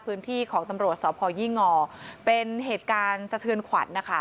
พื้นที่ของตำรวจสพยี่งอเป็นเหตุการณ์สะเทือนขวัญนะคะ